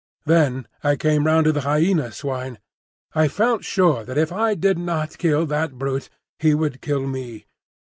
Then I came round to the Hyena swine. I felt sure that if I did not kill that brute, he would kill me.